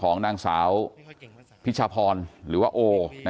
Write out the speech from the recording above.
กลุ่มตัวเชียงใหม่